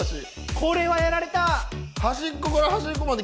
これはやられた！